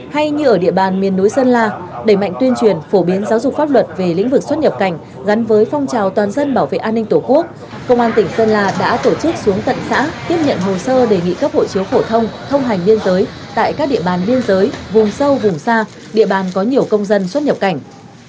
hay như ở địa bàn miền núi sơn la đẩy mạnh tuyên truyền phổ biến giáo dục pháp luật về lĩnh vực xuất nhập cảnh gắn với phong trào toàn dân bảo vệ an ninh tổ quốc công an tỉnh sơn la đã tổ chức xuống tận xã tiếp nhận hồ sơ đề nghị cấp hộ chiếu phổ thông thông hành biên giới tại các địa bàn biên giới vùng sâu vùng xa địa bàn có nhiều công dân xuất nhập cảnh